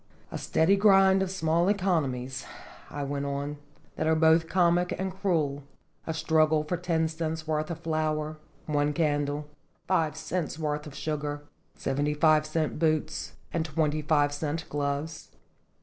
"A steady grind of small economies," I Singed JHctljs. 35 went on, " that are both comic and cruel a struggle for ten cents' worth of flour, one candle, five cents' worth of sugar, seventy five cent boots, and twenty five cent gloves."